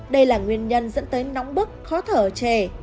đây là nguyên nhân dẫn tới nóng bức khó thở trẻ